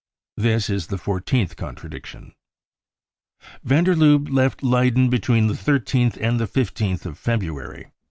This is the fourteenth contradiction, fr Van der Lubbe left Leyden between the 13th and the 15th of February.